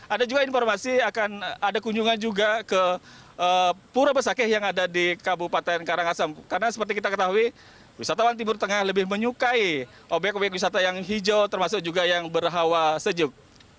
ada juga informasi akan ada kunjungan juga ke pura besakeh yang ada di kabupaten karangasem karena seperti kita ketahui wisatawan timur tengah lebih menyukai obyek obyek wisata yang hijau termasuk juga yang berhawa sejuk